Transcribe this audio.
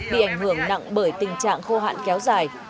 bị ảnh hưởng nặng bởi tình trạng khô hạn kéo dài